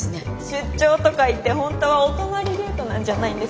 出張とか言って本当はお泊まりデートなんじゃないんですか？